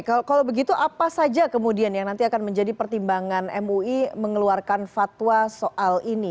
kalau begitu apa saja kemudian yang nanti akan menjadi pertimbangan mui mengeluarkan fatwa soal ini